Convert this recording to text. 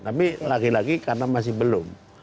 tapi lagi lagi karena masih belum